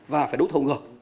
và phải đấu thầu ngược